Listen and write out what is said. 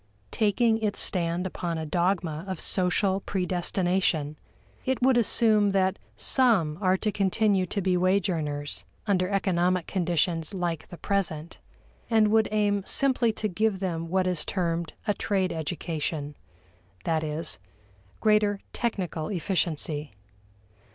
Taking its stand upon a dogma of social predestination, it would assume that some are to continue to be wage earners under economic conditions like the present, and would aim simply to give them what is termed a trade education that is, greater technical efficiency.